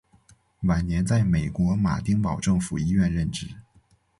晚年在美国马丁堡政府医院任职。